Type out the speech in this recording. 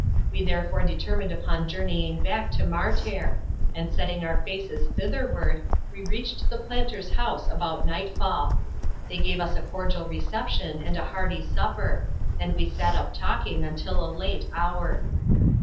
We therefore determined upon journeying back to Martair ; and setting our faces thitherward, we reached the planters' house about nightfalL They gave us a cordial reception, and a hearty supper ; and we sat up talking until a late hour.